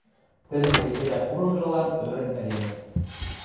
тӹдӹн веселӓ курымжылан ӧрӹн ӹленӹт.